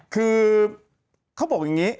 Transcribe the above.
คือเขาบอกอย่างนี้